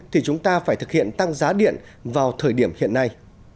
thì chúng ta phải thực hiện tăng giá điện vào thời điểm hiện nay